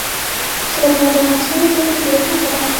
سیلابونه د افغانستان د ځمکې د جوړښت نښه ده.